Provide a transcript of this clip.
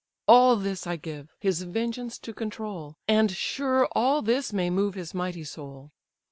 All this I give, his vengeance to control, And sure all this may move his mighty soul.